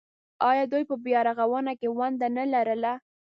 آیا دوی په بیارغونه کې ونډه نلره؟